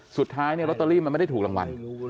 สุดท้ายเนี่ยลอตเตอรี่มันไม่ได้ถูกรางวัล